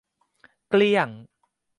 เกลี้ยง